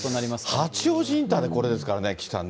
八王子インターでこれですからね、岸さんね。